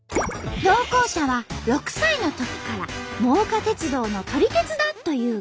投稿者は６歳のときから真岡鉄道の撮り鉄だという